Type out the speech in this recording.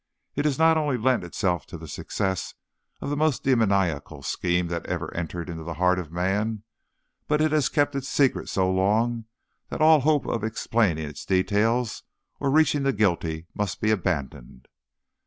"It has not only lent itself to the success of the most demoniacal scheme that ever entered into the heart of man, but it has kept its secret so long that all hope of explaining its details or reaching the guilty must be abandoned."